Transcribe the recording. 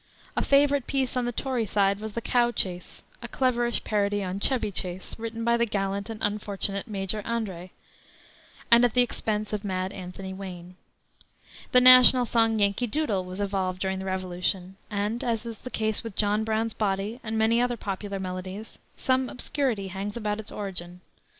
A favorite piece on the Tory side was the Cow Chase, a cleverish parody on Chevy Chase, written by the gallant and unfortunate Major Andre, at the expense of "Mad" Anthony Wayne. The national song Yankee Doodle was evolved during the Revolution, and, as is the case with John Brown's Body and many other popular melodies, some obscurity hangs about its origin.